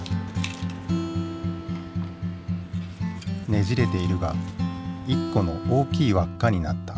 ねじれているが１個の大きい輪っかになった。